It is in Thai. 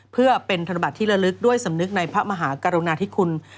เพื่อเป็นธนบัตรที่ระลึกด้วยสำนึกในพระมหากรุณาธิคุณ